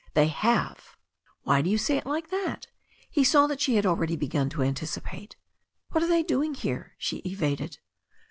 "They have V* "Why do you say it like that?" He saw that she had already begun to anticipate. "What are they doing here?" she evaded.